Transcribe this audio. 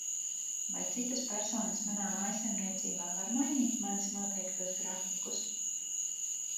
Vai citas personas manā mājsaimniecībā var mainīt manis noteiktos grafikus?